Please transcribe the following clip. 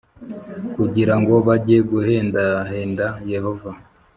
Kugira ngo bajye guhendahenda yehova